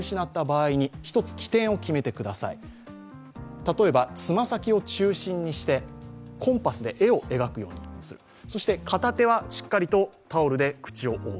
例えばつま先を中心にして、コンパスで円を描くようにする、そして片手はしっかりとタオルで口を覆う。